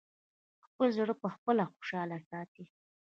خپل زړه پخپله خوشاله ساتی!